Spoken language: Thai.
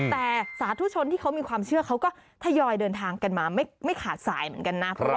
แต่สาธุชนที่เขามีความเชื่อเขาก็ทยอยเดินทางกันมาไม่ขาดสายเหมือนกันนะ